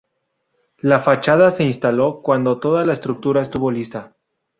La fachada se instaló cuando toda la estructura estuvo lista.